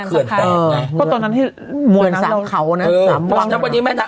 ก็ตอนนั้นที่วนสามเขา